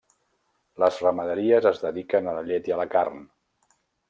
Les ramaderies es dediquen a la llet i a la carn.